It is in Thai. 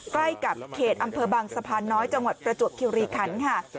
ใกล้กับเขตอำเภอบางสะพานน้อยจังหวัดประจวบคิวรีคันค่ะ